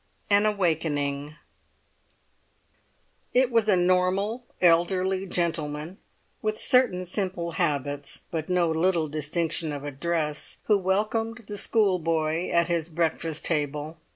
AN AWAKENING It was a normal elderly gentleman, with certain simple habits, but no little distinction of address, who welcomed the schoolboy at his breakfast table.